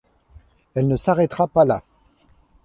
Elle ne s’arrêtera pas là.